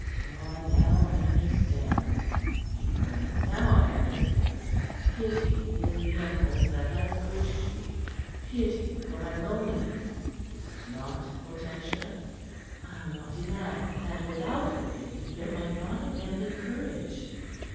"Ah, now I understand!" he cried. "Now I understand. Pity is the impulse that has urged you pity for my loneliness, is't not, Hortensia?" "I'll not deny that without the pity there might not have been the courage.